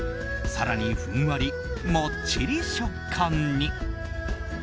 更にふんわり、もっちり食感に。